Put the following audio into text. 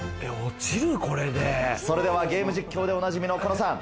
それではゲーム実況でおなじみの狩野さん